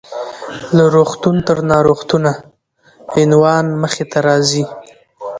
له روغتون تر ناروغتونه: عنوان مخې ته راځي .